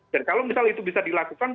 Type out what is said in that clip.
dan kalau misal itu bisa dilakukan